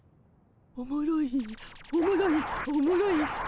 おもろいおもろいおもろいおもろい。